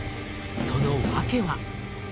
その訳は。